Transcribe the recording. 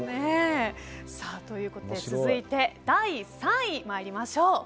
続いて、第３位参りましょう。